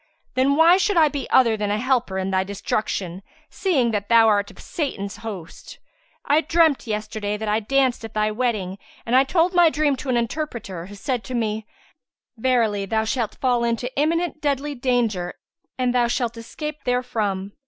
Then why should I be other than a helper in thy destruction, seeing that thou art of Satan's host? I dreamt yesterday that I danced at thy wedding and I told my dream to an interpreter who said to me, 'Verily thou shalt fall into imminent deadly danger and thou shalt escape therefrom.'